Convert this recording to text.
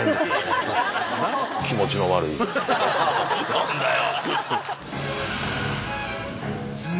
何だよ。